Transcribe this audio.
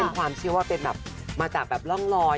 ความเชื่อว่าเป็นแบบมาจากแบบร่องลอย